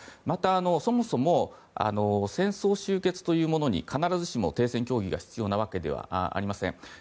また、そもそも戦争終結というものに必ずしも停戦協議が必要なわけではありません。